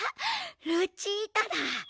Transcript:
ルチータだ。